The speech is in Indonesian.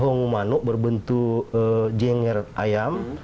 barak sungung manuk berbentuk jengher ayam